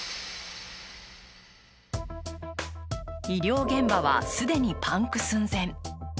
医療現場は既にパンク寸前。